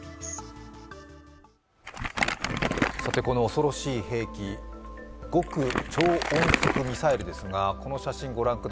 この恐ろしい兵器、極超音速ミサイルですが、この写真、御覧